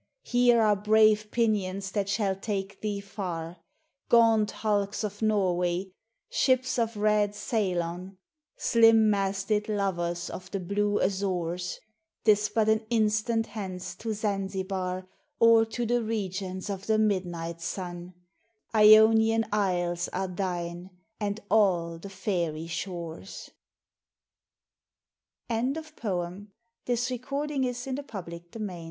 Here are brave pinions that shall take thee far — Gaunt hulks of Norway ; ships of red Ceylon ; Slim masted lovers of the blue Azores ! 'T is but an instant hence to Zanzibar, Or to the regions of the Midnight Sun. Ionian isles are thine, and all the fairy shores ! THOMAS BAILEY ALDRTCH. THE LADY OF SHALOTT. PART I.